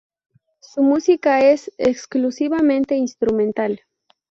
Su música es exclusivamente instrumental.